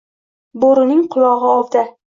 - “Bo‘rining qulog‘i ovda”.